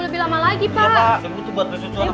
butuh duit buat keremi ibu saya oh iya pak